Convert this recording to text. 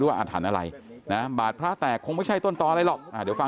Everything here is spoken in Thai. อาถรรพ์อะไรนะบาดพระแตกคงไม่ใช่ต้นต่ออะไรหรอกเดี๋ยวฟัง